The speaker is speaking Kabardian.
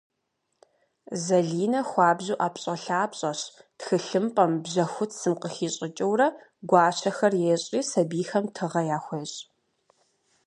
Зэлинэ хуабжьу ӏэпщӏэлъапщӏэщ - тхылъымпӏэм, бжьэхуцым къыхищӏыкӏыурэ гуащэхэр ещӏри сэбийхэм тыгъэ яхуещӏ.